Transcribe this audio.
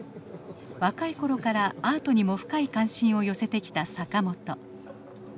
若い頃からアートにも深い関心を寄せてきた坂本。